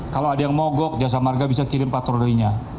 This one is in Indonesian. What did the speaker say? kalau ada yang mogok jasa marga bisa kirim patrolinya